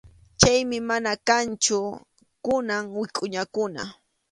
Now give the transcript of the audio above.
Chaymi mana kanchu kunan wikʼuñakuna.